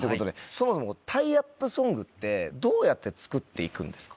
そもそもタイアップソングってどうやって作って行くんですか？